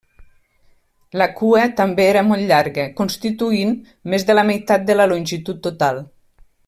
La cua també era molt llarga, constituint més de la meitat de la longitud total.